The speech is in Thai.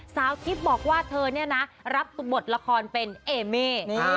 ส้าวทิพย์บอกว่าเธอนะรับตุบรรตละครเป็นเอมมี่